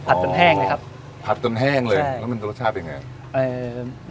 จนแห้งเลยครับผัดจนแห้งเลยใช่แล้วมันจะรสชาติเป็นไงเอ่อ